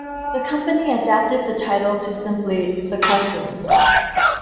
The company adapted the title to simply 'The Carsons'.